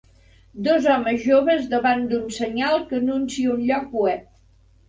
Dos homes joves davant d'un senyal que anuncia un lloc web.